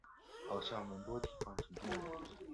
好像蛮多地方停电了